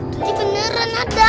jadi beneran ada